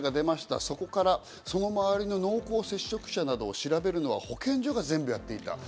そしてこの周りの濃厚接触者の方を調べるのは保健所が全部やっていた。